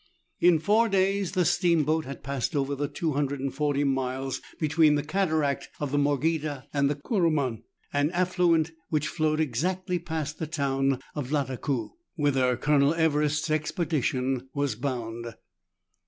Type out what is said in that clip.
In four days the steamboat had passed over the 340 miles THREE ENGLISHMEN AND THREE RUSSIANS. 43 between the cataract of Morgheda and the Kuruman, an affluent which flowed exactly past the town of Lattakoo, whither Colonel Everest's expedition was bound.